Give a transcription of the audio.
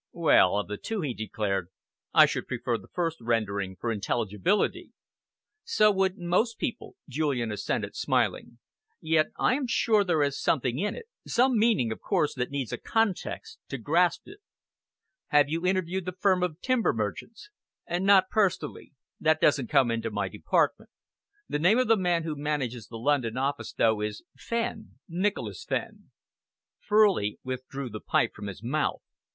"Well, of the two," he declared, "I should prefer the first rendering for intelligibility." "So would most people," Julian assented, smiling, "yet I am sure there is something in it some meaning, of course, that needs a context to grasp it." "Have you interviewed the firm of timber merchants?" "Not personally. That doesn't come into my department. The name of the man who manages the London office, though, is Fenn Nicholas Fenn." Furley withdrew the pipe from his mouth.